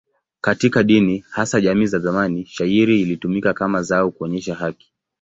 Katika dini, hasa jamii za zamani, shayiri ilitumika kama zao kuonyesha haki.